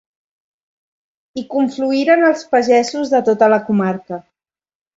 Hi confluïren els pagesos de tota la comarca.